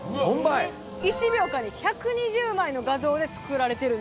１秒間に１２０枚の画像で作られてるんです。